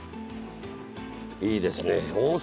いいですね